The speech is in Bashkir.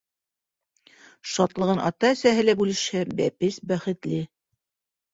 Шатлығын ата-әсәһе лә бүлешһә, бәпес бәхетле.